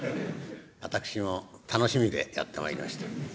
私も楽しみでやって参りました。